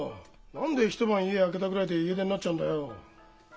何で一晩家空けたぐらいで家出になっちゃうんだよ。